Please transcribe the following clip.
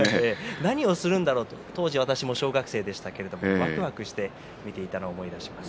何をするんだろうと私も当時小学生でしたけれどもわくわくしながら見ていたのを思い出します。